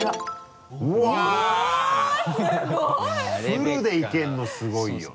フルでいけるのすごいよね。